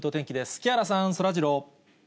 木原さん、そらジロー。